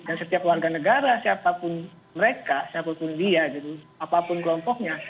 dan setiap warga negara siapapun mereka siapapun dia gitu apapun kelompoknya